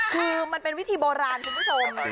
คือมันเป็นวิธีโบราณคุณผู้ชม